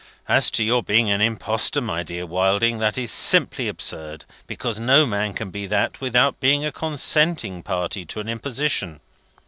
As to your being an Impostor, my dear Wilding, that is simply absurd, because no man can be that without being a consenting party to an imposition.